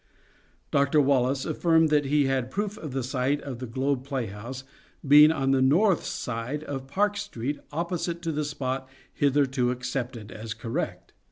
Dr. Wallace affirmed that he had proof of the site of The Globe Playhouse being on the north side of Park Street, opposite to the spot hitherto accepted as correct.